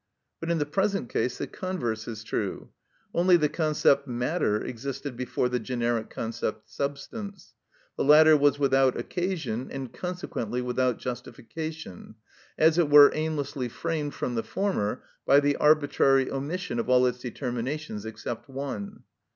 But, in the present case, the converse is true. Only the concept matter existed before the generic concept substance. The latter was without occasion, and consequently without justification, as it were aimlessly framed from the former by the arbitrary omission of all its determinations except one.